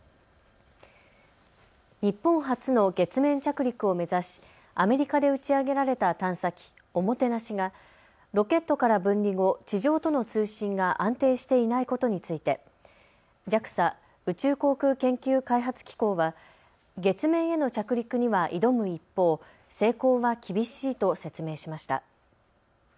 日本初の月面着陸を目指しアメリカで打ち上げられた探査機、ＯＭＯＴＥＮＡＳＨＩがロケットから分離後、地上との通信が安定していないことについてＪＡＸＡ・宇宙航空研究開発機構は月面への着陸には挑む一方、成功は厳しいと説明しました。